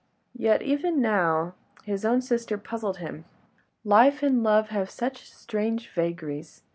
Yet even now, his own sister puzzled him. Life and love have such strange vagaries.